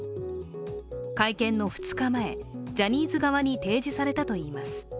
会見の２日前、ジャニーズ側に提示されたといいます。